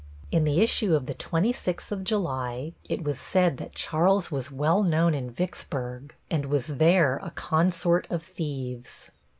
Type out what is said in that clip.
In the issue of the twenty sixth of July it was said that Charles was well known in Vicksburg, and was there a consort of thieves.